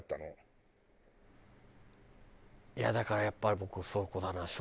いやだからやっぱり僕はそこだな。